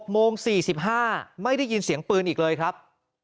โมง๔๕ไม่ได้ยินเสียงปืนอีกเลยครับ